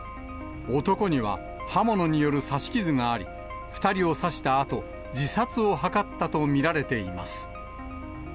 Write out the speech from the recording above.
男には刃物による刺し傷があり、２人を刺したあと、自殺を図ったと見られています。